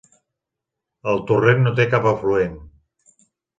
El torrent no té cap afluent.